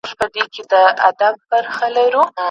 څېړنه ولي د علمي ژبي غوښتنه کوي؟